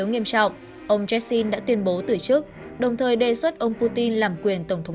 nghiêm trọng ông yeltsin đã tuyên bố từ chức đồng thời đề xuất ông putin làm quyền tổng thống